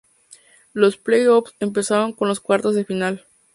Los play-offs empezaron con los cuartos de final.